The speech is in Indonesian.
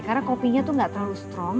karena kopinya tuh gak terlalu strong